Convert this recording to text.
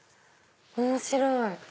面白い！